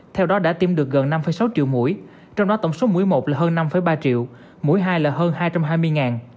theo đó đã tiêm được gần năm sáu triệu mũi trong đó tổng số mũi một là hơn năm ba triệu mũi hai là hơn hai trăm hai mươi